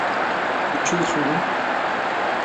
Tu çi dixwînî?